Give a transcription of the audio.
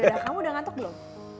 udah kamu udah ngantuk belum